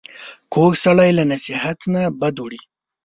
کوږ سړی له نصیحت نه بد وړي